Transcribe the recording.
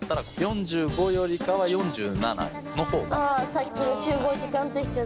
あさっきの集合時間と一緒だ。